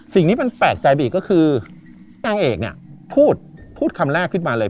สิ่งที่มันแปลกใจไปอีกก็คือนางเอกเนี่ยพูดพูดคำแรกขึ้นมาเลย